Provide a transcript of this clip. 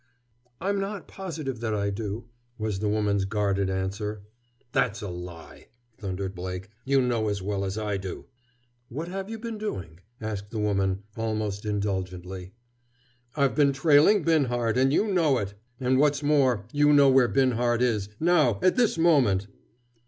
"I'm not positive that I do," was the woman's guarded answer. "That's a lie!" thundered Blake. "You know as well as I do!" "What have you been doing?" asked the woman, almost indulgently. "I've been trailing Binhart, and you know it! And what's more, you know where Binhart is, now, at this moment!"